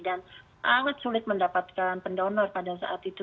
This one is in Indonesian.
dan sangat sulit mendapatkan pendonor pada saat itu